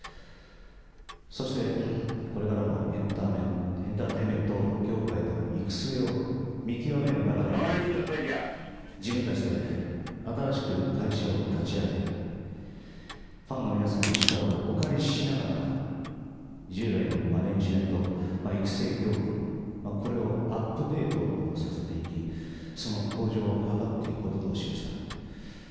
そして、これからのエンターテインメント業界の行く末を見極める中で、自分たちで新しく会社を立ち上げ、ファンの皆さんの力をお借りしながら、従来のマネジメント、育成業務、これをアップデートさせていき、その向上を図っていくこととしました。